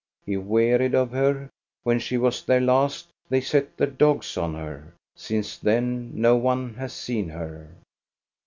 He wearied of her. When she was there last, they set their dogs on her. Since then no one has seen her."